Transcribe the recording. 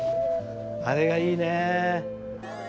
あれがいいね。